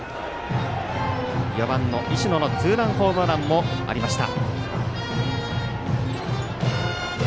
４番の石野のツーランホームランもありました。